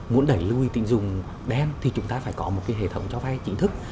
muốn đẩy lùi tình dùng đen thì chúng ta phải có một hệ thống cho vay chính thức